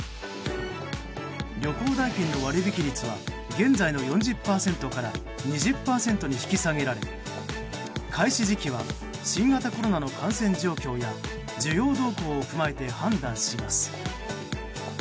旅行代金の割引率は現在の４０％から２０％に引き下げられ開始時期は新型コロナの感染状況や需要動向を踏まえて判断します。